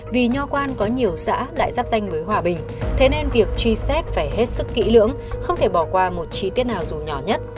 vì nho quan có nhiều xã lại giáp danh với hòa bình thế nên việc truy xét phải hết sức kỹ lưỡng không thể bỏ qua một chi tiết nào dù nhỏ nhất